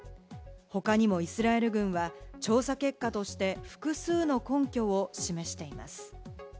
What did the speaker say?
他にもイスラエル軍は調査結果として複数の根拠を示しています。